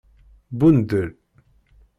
Bundel.